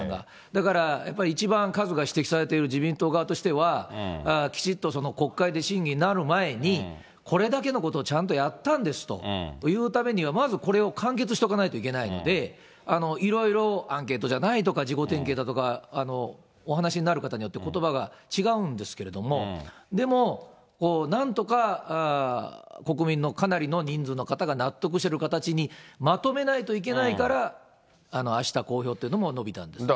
だからやっぱり、一番数が指摘されている自民党側としては、きちっと国会で審議になる前に、これだけのことをちゃんとやったんですということを言うためには、まずこれを完結しておかないといけないので、いろいろアンケートじゃないとか、事後点検だとか、お話になる方によってことばが違うんですけれども、でも、なんとか国民のかなりの人数の方が納得する形にまとめないといけないから、あした公表っていうのも、延びたんですよね。